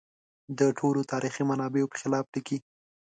د ټولو تاریخي منابعو په خلاف لیکي.